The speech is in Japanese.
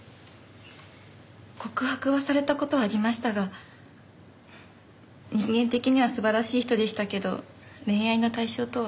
告白はされた事はありましたが人間的には素晴らしい人でしたけど恋愛の対象とは。